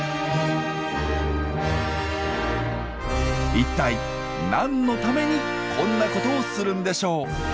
一体何のためにこんなことをするんでしょう？